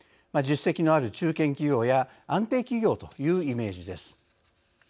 実績のある中堅企業や安定企業というイメージです。